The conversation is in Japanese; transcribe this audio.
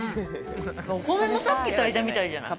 お米もさっき炊いたみたいじゃない？